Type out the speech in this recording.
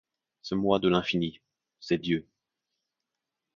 Ce moi de l’infini, c’est Dieu.